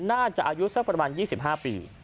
น่าจะอายุสักประมาณ๒๕ปี